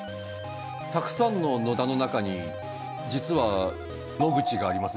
たくさんの野田の中に実は「野口」があります